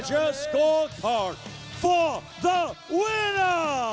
เบลูคอร์น่า